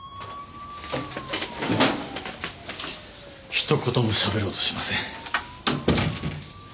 一言もしゃべろうとしません。